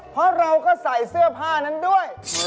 เพราะเราก็ใส่เสื้อผ้านั้นด้วย